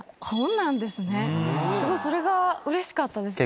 それがうれしかったです。